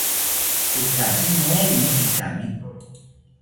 Tekatzi ñeerini ikami